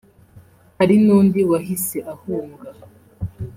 hari n’undi wahise ahunga